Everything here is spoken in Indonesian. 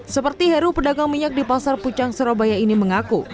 seperti heru pedagang minyak di pasar pucang surabaya ini mengaku